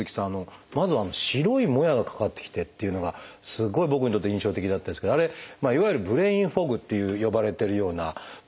まずは白いもやがかかってきてというのがすごい僕にとって印象的だったんですけどあれいわゆる「ブレインフォグ」って呼ばれてるようなものですよね。